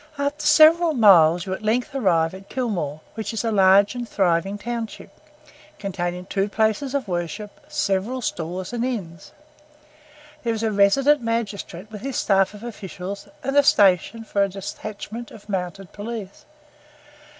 After several miles you at length arrive at Kilmore, which is a large and thriving township, containing two places of worship, several stores and inns. There is a resident magistrate with his staff of officials, and a station for a detachment of mounted police.